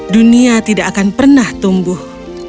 dunia tidak akan pernah tumbuh